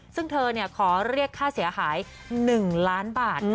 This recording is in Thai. ซึ่งเธอขอเรียกค่าเสียหาย๑ล้านบาท